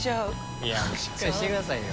いやしっかりしてくださいよ。